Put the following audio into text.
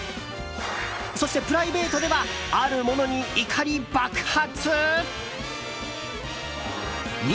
そして、プライベートではあるものに怒り爆発？